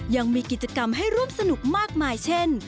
ยังมีกิจกรรมให้ร่วมสนุกมากมายเช่น